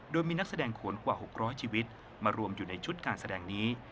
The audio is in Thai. โดยมีนักแสดงขนกว่า๖๐๐ชีวิตมารวมอยู่ในชุดการแสดงนี้